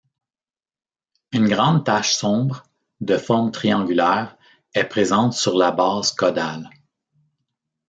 Une grande tache sombre, de forme triangulaire, est présente sur la base caudale.